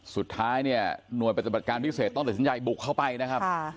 สุดท้ายเนี่ยหน่วยปฏิบัติการพิเศษต้องตัดสินใจบุกเข้าไปนะครับ